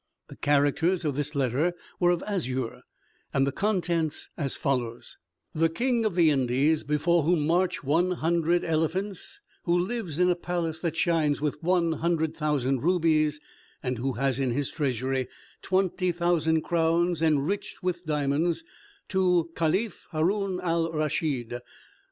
The characters of this letter were of azure, and the contents as follows: "The King of the Indies, before whom march one hundred elephants, who lives in a palace that shines with one hundred thousand rubies, and who has in his treasury twenty thousand crowns enriched with diamonds, to Caliph Haroun al Raschid.